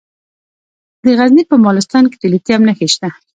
د غزني په مالستان کې د لیتیم نښې شته.